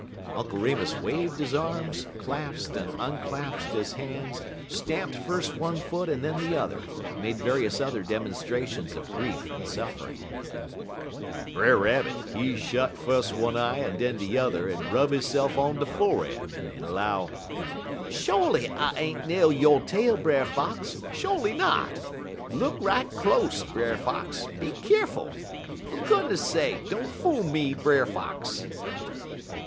'" Uncle Remus waved his arms, clasped and unclasped his hands, stamped first one foot and then the other, and made various other demonstrations of grief and suffering. "Brer Rabbit, he shot fus' one eye en den de yuther en rub hisse'f on de forrerd, en 'low: "'Sho'ly I ain't nail yo' tail, Brer Fox; sho'ly not. Look right close, Brer Fox, be keerful. Fer goodness sake don' fool me, Brer Fox!'